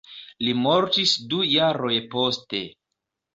Li mortis du jaroj poste.